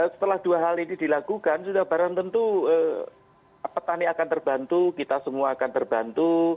setelah dua hal ini dilakukan sudah barang tentu petani akan terbantu kita semua akan terbantu